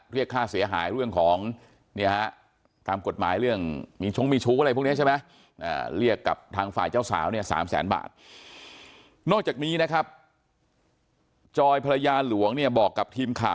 เรียกค่าเสียหายเรื่องของครับ